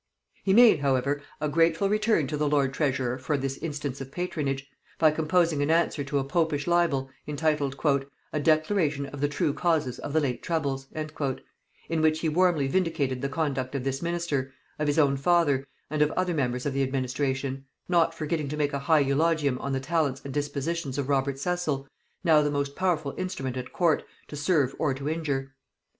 He made however a grateful return to the lord treasurer for this instance of patronage, by composing an answer to a popish libel, entitled "A Declaration of the true Causes of the late Troubles," in which he warmly vindicated the conduct of this minister, of his own father, and of other members of the administration; not forgetting to make a high eulogium on the talents and dispositions of Robert Cecil, now the most powerful instrument at court to serve or to injure.